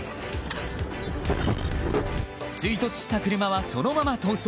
追突した車はそのまま逃走。